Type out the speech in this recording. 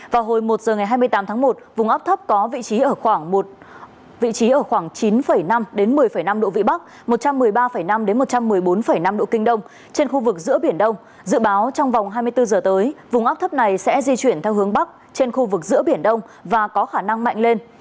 vào hồi một giờ ngày hai mươi tám tháng một vùng ấp thấp có vị trí ở khoảng chín năm đến một mươi năm độ vị bắc một trăm một mươi ba năm đến một trăm một mươi bốn năm độ kinh đông trên khu vực giữa biển đông dự báo trong vòng hai mươi bốn giờ tới vùng ấp thấp này sẽ di chuyển theo hướng bắc trên khu vực giữa biển đông và có khả năng mạnh lên